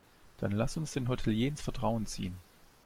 Dann lass uns den Hotelier ins Vertrauen ziehen.